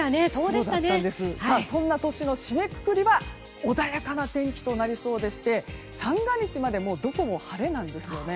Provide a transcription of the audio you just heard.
そんな年の締めくくりは穏やかな天気となりそうでして三が日までどこも晴れなんですね。